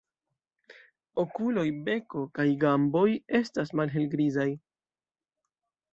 Okuloj, beko kaj gamboj estas malhelgrizaj.